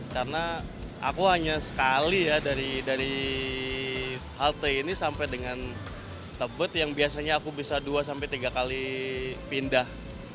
karena aku hanya sekali ya dari halte ini sampai dengan tebet yang biasanya aku bisa dua tiga kali pindah